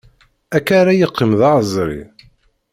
Akka ara yeqqim d aεezri?